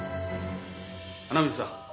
穴水さん。